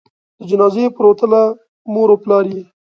د جنازې پروتله؛ مور او پلار یې